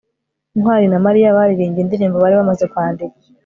ntwali na mariya baririmbye indirimbo bari bamaze kwandika